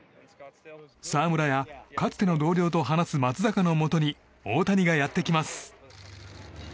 澤村やかつての同僚と話す松坂のもとに大谷がやってきます。